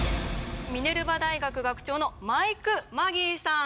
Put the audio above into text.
ミネルバ大学学長のマイク・マギーさん！